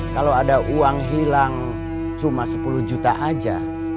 kalau ada uang hilang cuma sepuluh juta aja